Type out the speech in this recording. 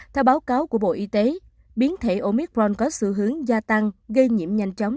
theo báo cáo của bộ y tế biến thể omicron có xu hướng gia tăng gây nhiễm nhanh chóng